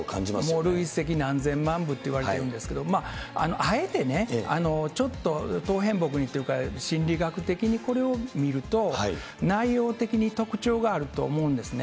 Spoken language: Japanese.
累積何千万部っていわれてるんですけど、あえてね、ちょっと唐変木にというか、心理学的にこれを見ると、内容的に特徴があると思うんですね。